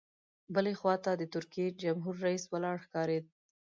بلې خوا ته د ترکیې جمهور رئیس ولاړ ښکارېد.